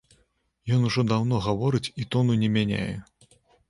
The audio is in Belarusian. Ён ўжо даўно гаворыць і тону не мяняе.